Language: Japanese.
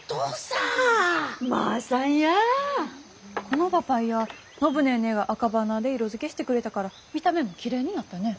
このパパイア暢ネーネーがアカバナで色づけしてくれたから見た目もきれいになったね。